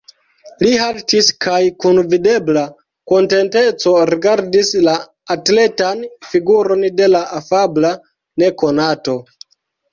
Li haltis kaj kun videbla kontenteco rigardis la atletan figuron de la afabla nekonato.